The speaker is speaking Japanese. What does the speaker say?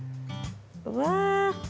うわ。